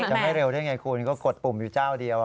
จะไม่เร็วได้ไงคุณก็กดปุ่มอยู่เจ้าเดียว